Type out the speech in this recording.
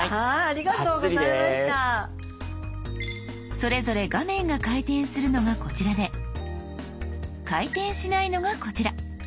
それぞれ画面が回転するのがこちらで回転しないのがこちら。